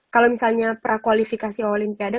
kalau misalnya prakualifikasi olimpiade